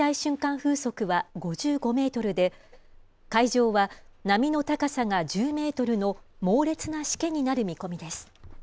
風速は５５メートルで、海上は波の高さが１０メートルの猛烈なしけになる見込みです。